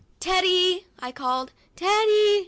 "Teddy," I called, "Teddy!